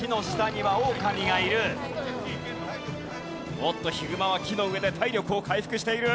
おっとヒグマは木の上で体力を回復している。